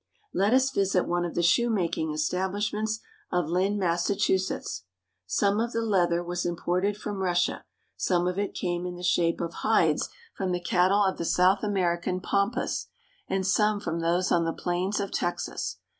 Let us visit one of the shoemaking establishments of Lynn, Massachusetts. Some of the leather was imported from Russia; some of it came in the shape of hides from SHOE SHOPS AT LYNN. 83 the cattle of the South American pampas, and some from those on the plains of Texas.